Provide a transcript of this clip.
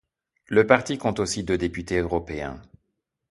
Le parti compte aussi deux députés européens.